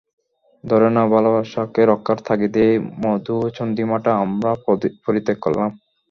ধরে নাও ভালোবাসাকে রক্ষার তাগিদে এই মধুচন্দ্রিমাটা আমরা পরিত্যাগ করলাম।